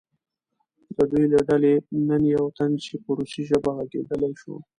د دوی له ډلې نه یو تن چې په روسي ژبه غږېدلی شو.